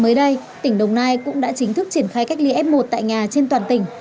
mới đây tỉnh đồng nai cũng đã chính thức triển khai cách ly f một tại nhà trên toàn tỉnh